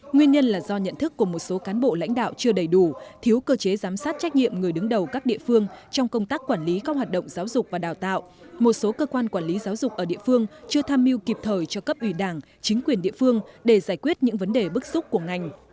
nguyên nhân là do nhận thức của một số cán bộ lãnh đạo chưa đầy đủ thiếu cơ chế giám sát trách nhiệm người đứng đầu các địa phương trong công tác quản lý các hoạt động giáo dục và đào tạo một số cơ quan quản lý giáo dục ở địa phương chưa tham mưu kịp thời cho cấp ủy đảng chính quyền địa phương để giải quyết những vấn đề bức xúc của ngành